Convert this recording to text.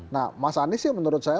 nah mas anies sih menurut saya